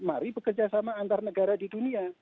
mari bekerjasama antar negara di dunia